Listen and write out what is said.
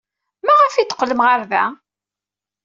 Maɣef ay d-teqqlem ɣer da?